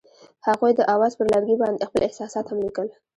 هغوی د اواز پر لرګي باندې خپل احساسات هم لیکل.